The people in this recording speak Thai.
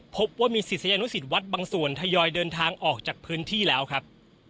พบว่ามีศิษยานุสิตวัดบางส่วนทยอยเดินทางออกจากพื้นที่แล้วครับ